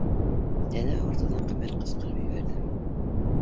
Тәне ауыртыуҙан Ҡәмәр ҡысҡырып ебәрҙе: